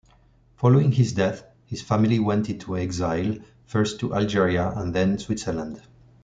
Following his death, his family went into exile, first to Algeria and then Switzerland.